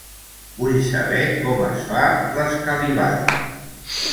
Vull saber com es fa l'escalivada.